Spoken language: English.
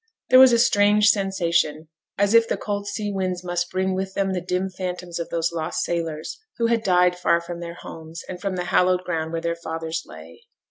There was a strange sensation, as if the cold sea winds must bring with them the dim phantoms of those lost sailors, who had died far from their homes, and from the hallowed ground where their fathers lay.